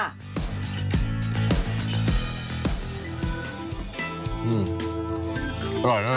อร่อยนะร้านนี้